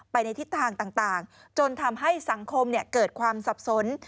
ในทิศทางต่างจนทำให้สังคมเกิดความสับสน